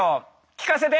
聞かせて！